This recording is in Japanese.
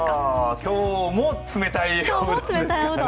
今日も冷たいのですかね。